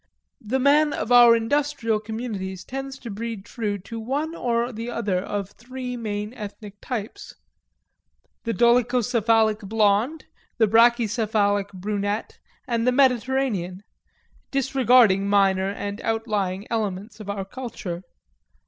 The man of our industrial communities tends to breed true to one or the other of three main ethic types; the dolichocephalic blond, the brachycephalic brunette, and the Mediterranean disregarding minor and outlying elements of our culture.